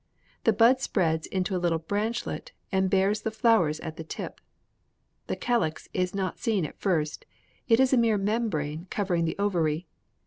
The bud spreads into a little branchlet and bears the flowers at the tip. The calyx is not seen at first; it is a mere membrane covering the ovary.